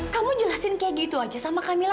kamu jelasin kayak gitu aja sama kamila